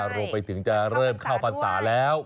รวมไปถึงจะเริ่มเข้าพรรษาแล้ว